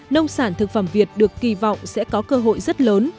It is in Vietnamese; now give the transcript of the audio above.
nông sản thực phẩm việt được kỳ vọng sẽ có cơ hội rất lớn